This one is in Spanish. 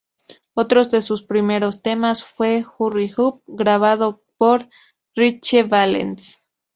Otro de sus primeros temas fue "Hurry Up", grabado por Ritchie Valens.